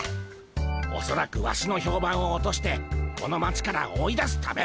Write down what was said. おそらくワシの評判を落としてこの町から追い出すため。